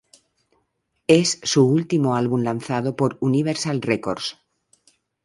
Es su último álbum lanzado por Universal Records.